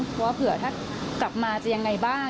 เพราะว่าเผื่อถ้ากลับมาจะยังไงบ้าง